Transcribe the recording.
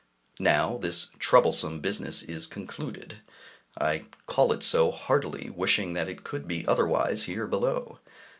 Now this troublesome business is concluded; I call it so, heartily wishing that it could be otherwise here below!